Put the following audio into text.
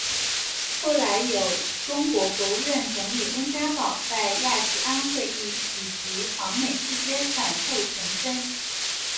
后来有中国国务院总理温家宝在亚细安会议以及访美期间反复重申。